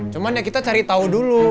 cuman ya kita cari tahu dulu